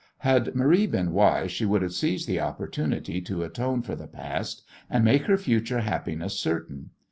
Had Marie been wise she would have seized the opportunity to atone for the past and make her future happiness certain.